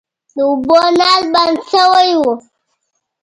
د اوبو نل بند شوی و.